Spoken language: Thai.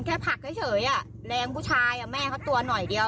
มันแค่ผลักให้เฉยอ่ะแรงผู้ชายอ่ะแม่เขาตัวหน่อยเดียว